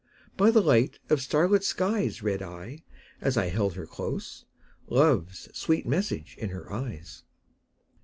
By the light of starlit skies Read I, as I held her close, Love's sweet message in her eyes.